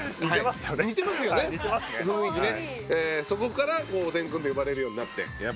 そこからおでんくんと呼ばれるようになって。